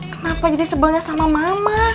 kenapa jadi sebelnya sama mama